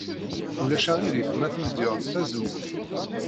Ulac aɣilif ma tledyed tazewwut?